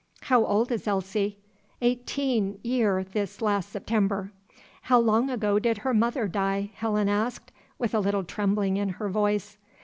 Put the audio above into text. "How old is Elsie?" "Eighteen year this las' September." "How long ago did her mother die?" Helen asked, with a little trembling in her voice.